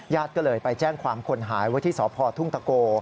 ญาติก็เลยไปแจ้งความคนหายไว้ที่สอบภอด์ทุ่งตะโก